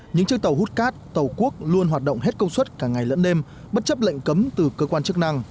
những chiếc tàu hút cát tàu cuốc luôn hoạt động hết công suất cả ngày lẫn đêm bất chấp lệnh cấm từ cơ quan chức năng